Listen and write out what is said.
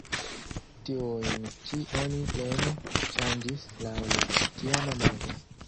Tiujn ĉi oni plene ŝanĝis laŭ la tiama modo.